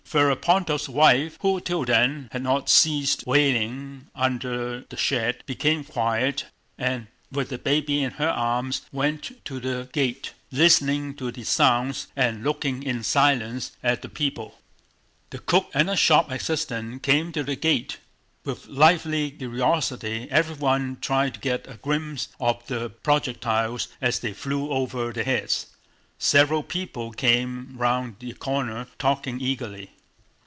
Ferapóntov's wife, who till then had not ceased wailing under the shed, became quiet and with the baby in her arms went to the gate, listening to the sounds and looking in silence at the people. The cook and a shop assistant came to the gate. With lively curiosity everyone tried to get a glimpse of the projectiles as they flew over their heads. Several people came round the corner talking eagerly.